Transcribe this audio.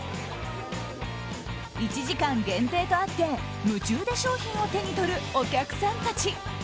１時間限定とあって夢中で商品を手に取るお客さんたち。